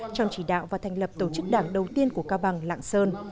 trong chỉ đạo và thành lập tổ chức đảng đầu tiên của cao bằng lạng sơn